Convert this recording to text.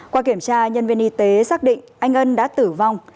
qua kiểm tra nhân viên y tế xác định anh ân đã tử vong